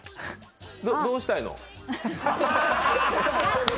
どうしたいの？